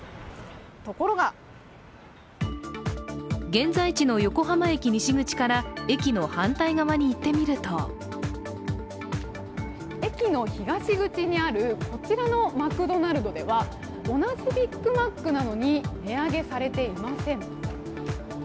ところが現在地の横浜駅西口から駅の反対側に行ってみると駅の東口にあるこちらのマクドナルドでは同じビックマックなのに値上げされていません。